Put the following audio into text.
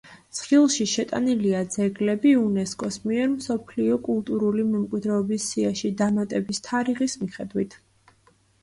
ცხრილში შეტანილია ძეგლები, იუნესკოს მიერ მსოფლიო კულტურული მემკვიდრეობის სიაში დამატების თარიღის მიხედვით.